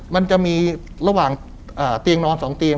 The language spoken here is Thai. มันจะมีระหว่างเตียงนอน๒เตียง